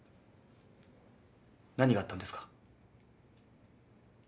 何があったんですか？